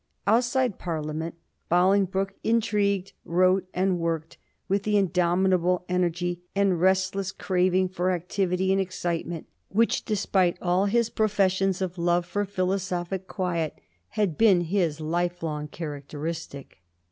Outside Parliament Bolingbroke intrigued, wrote, and worked with the indomitable energy and restless craving for activity and excite ment which, despite all his professions of love for philosophic quiet, had been his life long characteristic.